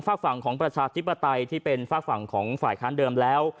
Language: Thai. ฝากฝั่งของประชาธิปไตยที่เป็นฝากฝั่งของฝ่ายค้านเดิมแล้ว